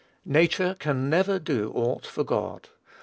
Nature can never do aught for God.